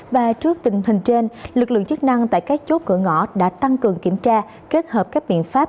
và trước tình hình trên lực lượng chức năng tại các chốt cửa ngõ đã tăng cường kiểm tra kết hợp các biện pháp